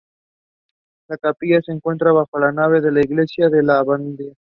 La capilla se encuentra bajo la nave de la iglesia de la abadía.